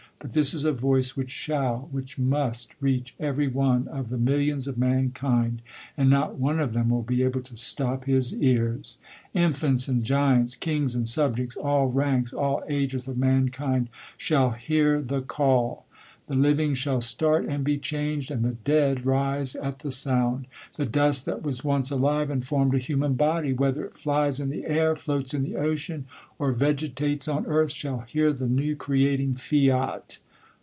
But this is a voice which shall, which must reach every one of the millions of mankind, and not one of them will be able to stop his ears, infants and giants, kings and subjects, all ranks, all a^es of mankind shall hear the call. The living shall start and be changed, and the dead rise at the sound. The dust that was once Slivc and formed a human body, whether it Qies in the an , floats in the ocean, or vegetates on earth, shall hear the new creating fiat.